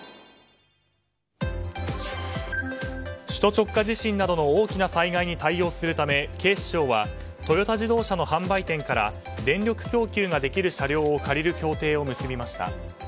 首都直下地震などの大きな災害に対応するため警視庁はトヨタ自動車の販売店から電力供給ができる車両を借りることができる協定を結びました。